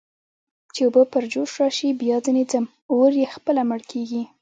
چې اوبه پر جوش راشي، بیا ځنې ځم، اور یې خپله مړ کېږي.